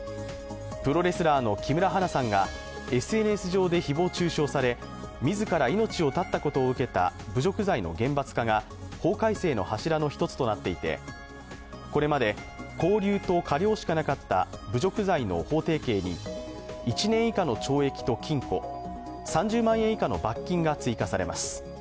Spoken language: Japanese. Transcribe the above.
プロレスラーの木村花さんがＳＮＳ上で誹謗中傷され、自ら命を絶ったことを受けた侮辱罪の厳罰化が、法改正の柱の一つとなっていてこれまで拘留と科料しかなかった侮辱罪の法定刑に１年以下の懲役と禁錮、３０万円以下の罰金が追加されます。